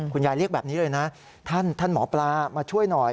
เรียกแบบนี้เลยนะท่านหมอปลามาช่วยหน่อย